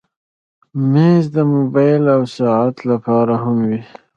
مېز د موبایل او ساعت لپاره هم وي.